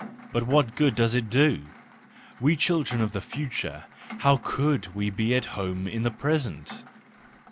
But what good does it do! We children of the future, how could we be at home in the present